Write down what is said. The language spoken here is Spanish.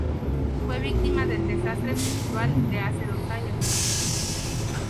Fue víctima del desastre espiritual de hace dos años.